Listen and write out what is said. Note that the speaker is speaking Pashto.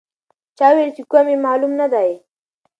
چا وویل چې قوم یې معلوم نه دی.